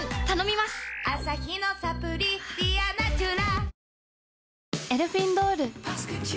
アサヒのサプリ「ディアナチュラ」